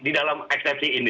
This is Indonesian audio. di dalam eksepsi ini